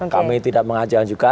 kami tidak mengajak juga